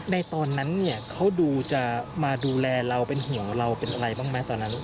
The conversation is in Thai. ในตอนนั้นเขามาดูแลเราเป็นเหี่ยวเราเป็นอะไรบ้างไหมตอนนั้น